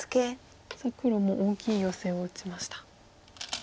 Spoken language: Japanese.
さあ黒も大きいヨセを打ちました。